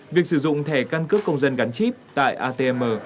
việc sử dụng thẻ căn cước công dân gắn chip tại atm